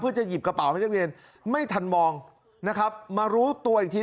เพื่อจะหยิบกระเป๋าให้นักเรียนไม่ทันมองนะครับมารู้ตัวอีกที